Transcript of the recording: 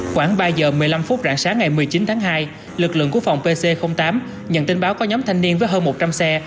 khoảng ba giờ một mươi năm phút rạng sáng ngày một mươi chín tháng hai lực lượng của phòng pc tám nhận tin báo có nhóm thanh niên với hơn một trăm linh xe